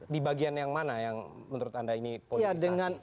di bagian yang mana yang menurut anda ini politik